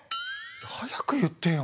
早く言ってよ。